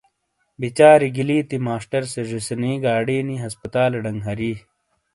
بِیچاری گلیتی ماسٹر سے زیسینی گاڑینی ہسپتالے ڈنگ ہری۔